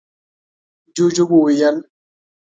ُجوجُو وويل: